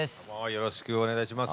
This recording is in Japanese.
よろしくお願いします。